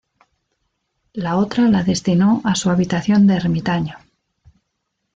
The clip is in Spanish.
La otra la destinó a su habitación de ermitaño.